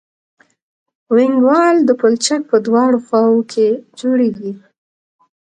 وینګ وال د پلچک په دواړو خواو کې جوړیږي